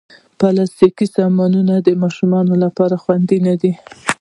پلاستيکي سامانونه د ماشومانو لپاره خوندې نه دي.